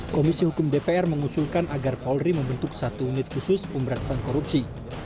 komisi hukum dpr mengusulkan agar polri membentuk satu unit khusus pemberantasan korupsi